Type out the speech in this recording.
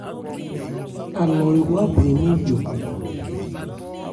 Alɔ ewá brɛ mɛ́n njɔ.